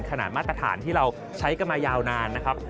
ขนาดมาตรฐานที่เราใช้กันมายาวนานนะครับ